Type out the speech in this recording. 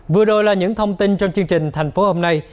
vừa rồi là những thông tin trong chương trình thành phố hôm nay